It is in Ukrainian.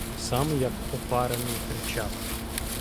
Сам як опарений кричав: